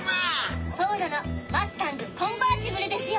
フォードのマスタング・コンバーチブルですよ。